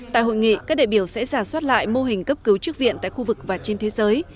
tại hội nghị các đại biểu sẽ giả soát lại mô hình cấp cứu trước viện tại khu vực và trên thế giới